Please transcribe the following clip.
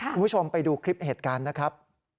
คุณผู้ชมไปดูคลิปเหตุการณ์นะครับ